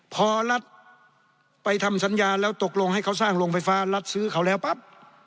พอรัฐไปทำสัญญาแล้วตกลงให้เขาสร้างโรงไฟฟ้ารัฐซื้อเขาแล้วปั๊บ